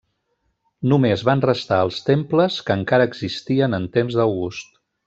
Només van restar els temples que encara existien en temps d'August.